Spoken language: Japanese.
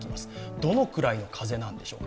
どのくらいの風なんでしょうか。